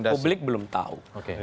publik belum tahu